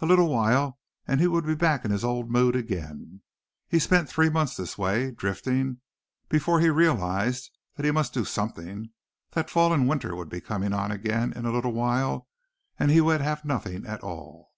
A little while and he would be back in his old mood again. He spent three months this way, drifting, before he realized that he must do something that fall and winter would be coming on again in a little while and he would have nothing at all.